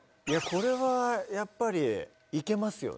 これはやっぱりいけますよね。